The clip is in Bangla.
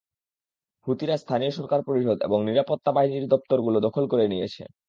হুতিরা স্থানীয় সরকার পরিষদ এবং নিরাপত্তা বাহিনীর দপ্তরগুলো দখল করে নিয়েছে।